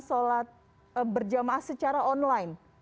sholat berjamaah secara online